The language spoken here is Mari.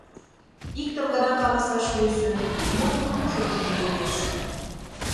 Иктым гына каласаш йӧсӧ: мо тудын ушыжым пургедеш?